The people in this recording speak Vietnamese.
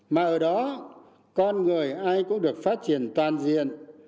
mà ở đó con người ai cũng được phát triển toàn diện